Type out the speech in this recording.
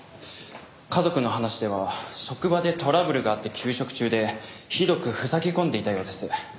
家族の話では職場でトラブルがあって休職中でひどく塞ぎ込んでいたようです。